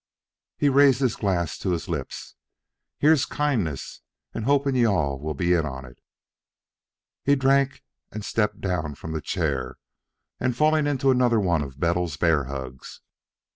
He raised his glass to his lips. "Here's kindness, and hoping you all will be in on it." He drank and stepped down from the chair, falling into another one of Bettles' bear hugs.